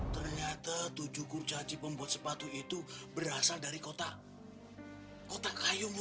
ternyata tujuh kurcaci pembuat sepatu itu berasal dari kota kota kayu itu